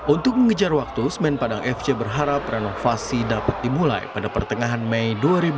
untuk mengejar waktu semen padang fc berharap renovasi dapat dimulai pada pertengahan mei dua ribu dua puluh